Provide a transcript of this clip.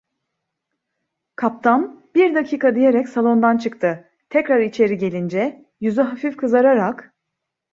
Kaptan: "Bir dakika!" diyerek salondan çıktı, tekrar içeri gelince, yüzü hafif kızararak: